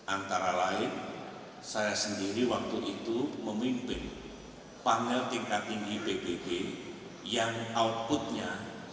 antara lain saya sendiri waktu itu memimpin panel tingkat tinggi pbb yang outputnya